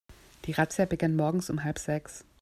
Die Razzia begann morgens um halb sechs.